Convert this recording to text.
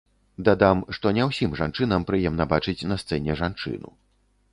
Дадам, што не ўсім жанчынам прыемна бачыць на сцэне жанчыну.